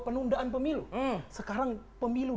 penundaan pemilu sekarang pemilu